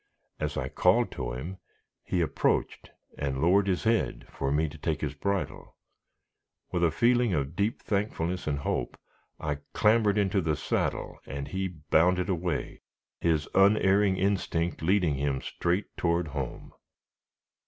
As I called to him, he approached, and lowered his head for me to take his bridle. With a feeling of deep thankfulness and hope, I clambered into the saddle, and he bounded away, his unerring instinct leading him straight toward home.